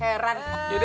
apaan kan nek